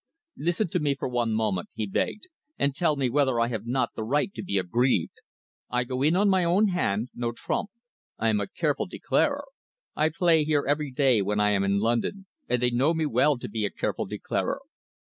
"Listen to me for one moment," he begged, "and tell me whether I have not the right to be aggrieved. I go in on my own hand, no trump. I am a careful declarer. I play here every day when I am in London, and they know me well to be a careful declarer.